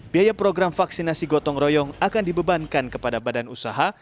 biaya program vaksinasi gotong royong akan dibebankan kepada badan usaha